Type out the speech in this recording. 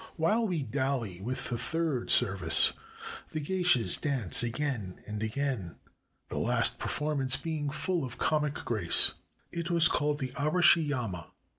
While we dally with the third service the Geishas dance again and again — the last performance being full of comicgrace. It was called the'' Arashi yama."